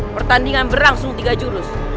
pertandingan berlangsung tiga jurus